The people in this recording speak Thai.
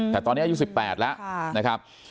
แต่ตอนนี้อายุ๑๘แล้วนะครับ